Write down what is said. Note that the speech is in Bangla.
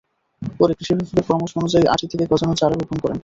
পরে কৃষি বিভাগের পরামর্শ অনুযায়ী আঁটি থেকে গজানো চারা রোপণ করেন।